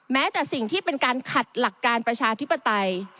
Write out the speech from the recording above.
แม้แต่สิ่งที่เป็นการขัดหลักการประชาธิปไตย